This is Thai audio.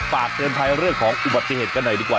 ฝากเตือนภัยเรื่องของอุบัติเหตุกันหน่อยดีกว่า